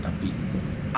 tapi amal putusannya